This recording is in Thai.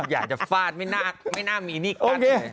อยากจะฟาดไม่น่ามีนี่กั้นเลย